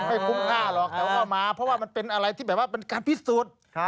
คุ้มค่าหรอกแต่ว่ามาเพราะว่ามันเป็นอะไรที่แบบว่าเป็นการพิสูจน์